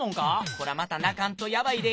「こらまた鳴かんとやばいで」。